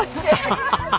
ハハハハ！